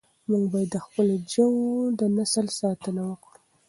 موږ باید د خپلو ژویو د نسل ساتنه وکړو.